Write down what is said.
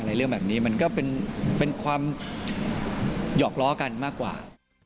เรื่องแบบนี้มันก็เป็นความหยอกล้อกันมากกว่า